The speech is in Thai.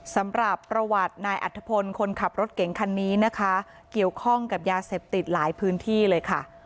สำหรับประวัตินายอัฐพลคนขับรถเก่งคันนี้นะคะเกี่ยวข้องกับยาเสพติดหลายพื้นที่เลยค่ะ